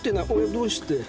どうして？